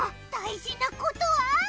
大事なことは？